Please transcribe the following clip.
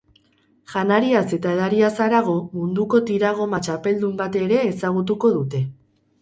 Janariaz eta edariaz harago, munduko tiragoma txapeldun bat ere ezagutuko dute.